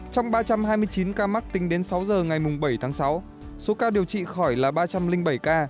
trong ba trăm hai mươi chín ca mắc tính đến sáu giờ ngày bảy tháng sáu số ca điều trị khỏi là ba trăm linh bảy ca